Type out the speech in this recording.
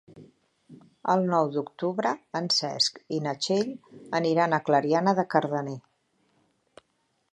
El nou d'octubre en Cesc i na Txell aniran a Clariana de Cardener.